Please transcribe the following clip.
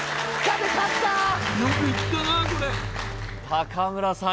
高村さん